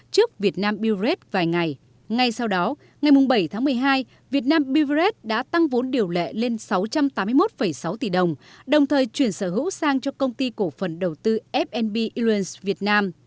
công ty trách nhiệm ủng hộ việt nam bivret đã tăng vốn điều lệ lên sáu trăm tám mươi một sáu tỷ đồng đồng thời chuyển sở hữu sang cho công ty cổ phần đầu tư f b illions việt nam